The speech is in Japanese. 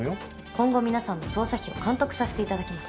今後皆さんの捜査費を監督させていただきます。